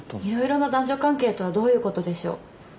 いろいろな男女関係とはどういうことでしょう。